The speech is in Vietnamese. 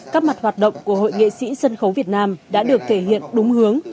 các mặt hoạt động của hội nghệ sĩ sân khấu việt nam đã được thể hiện đúng hướng